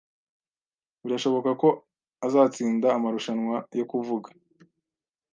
Birashoboka ko azatsinda amarushanwa yo kuvuga.